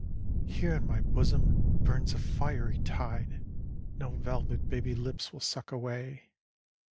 " Here in my bosom burns a fiery tide No velvet baby lips will suck away.